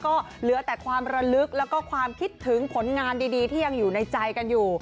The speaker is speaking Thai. ก็เหลือแต่ความระลึกแล้วก็ความคิดถึงผลงานดีที่ยังอยู่ในใจกันอยู่